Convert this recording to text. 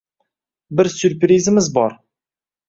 Bir syurprizimiz bor.